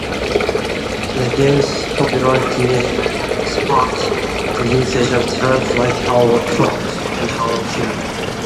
The game's popularity sparked the usage of terms like "Halo" clone" and "Halo" killer.